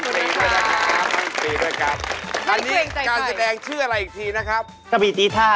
เมื่อกว่า